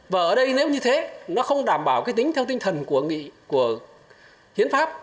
và ở đây nếu như thế nó không đảm bảo cái tính theo tinh thần của hiến pháp